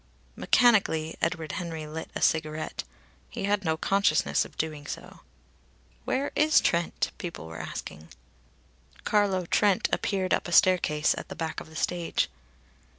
Mechanically Edward Henry lit a cigarette. He had no consciousness of doing so. "Where is Trent?" people were asking. Carlo Trent appeared up a staircase at the back of the stage.